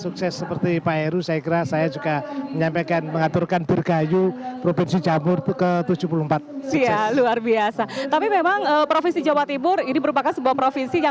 keputusan gubernur jawa timur